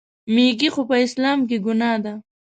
میږي خو په اسلام کې ګناه ده.